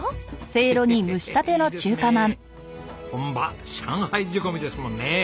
本場上海仕込みですもんね。